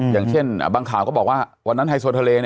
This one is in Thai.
อย่างเช่นบางข่าวก็บอกว่าวันนั้นไฮโซทะเล